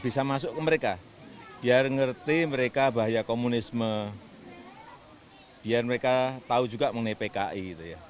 bisa masuk ke mereka biar ngerti mereka bahaya komunisme biar mereka tahu juga mengenai pki